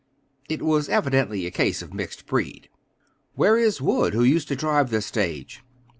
It was evidently a case of mixed breed. "Where is Wood, who used to drive this stage?"